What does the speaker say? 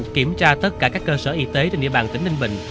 kiểm tra tất cả các cơ sở y tế trên địa bàn tỉnh ninh bình